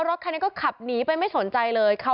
กระทั่งตำรวจก็มาด้วยนะคะ